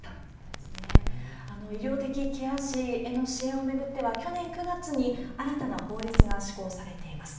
医療的ケア児への支援を巡っては、去年９月に新たな法律が施行されています。